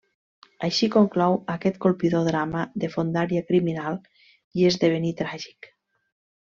Així conclou aquest colpidor drama de fondària criminal i esdevenir tràgic.